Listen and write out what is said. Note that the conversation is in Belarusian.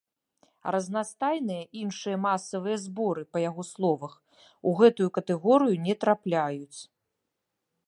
А разнастайныя іншыя масавыя зборы, па яго словах, у гэтую катэгорыю не трапляюць.